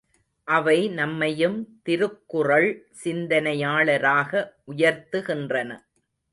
அவை நம்மையும் திருக்குறள் சிந்தனையாளராக உயர்த்துகின்றன.